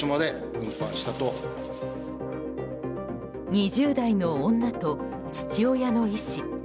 ２０代の女と父親の医師。